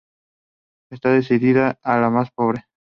Estaba dedicada a las más pobres.